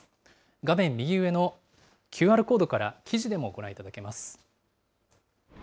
画面右上のＱＲコードから記事でもご覧いただけます。